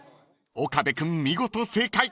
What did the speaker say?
［岡部君見事正解］